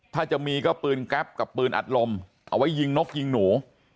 ถ้าจะมีก็ปืนแก๊ปกับปืนอัดลมเอาไว้ยิงนกยิงหนู